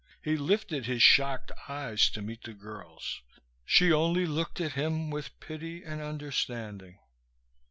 He lifted his shocked eyes to meet the girl's. She only looked at him, with pity and understanding.